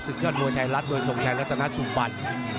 ศึกยอดมวยไทยรัฐโดยส่งแชร์ลัฐนาสุปัน